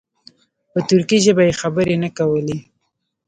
په ترکي ژبه یې خبرې نه کولې.